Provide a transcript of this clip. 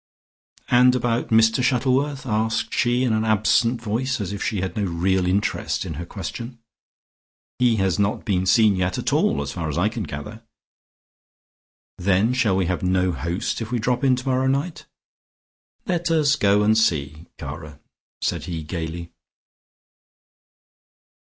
"And about Mr Shuttleworth?" asked she in an absent voice, as if she had no real interest in her question. "He has not been seen yet at all, as far as I can gather." "Then shall we have no host, if we drop in tomorrow night?" "Let us go and see, cara," said he gaily.